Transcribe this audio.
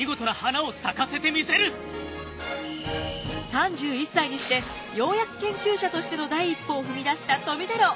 ３１歳にしてようやく研究者としての第一歩を踏み出した富太郎。